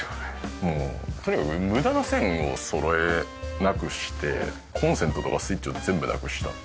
もうとにかく無駄な線をそろえなくしてコンセントとかスイッチを全部なくした。